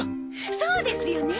そうですよね！